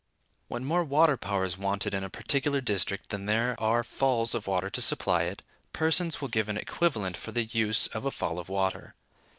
When more water power is wanted in a particular district than there are falls of water to supply it, persons will give an equivalent for the use of a fall of water.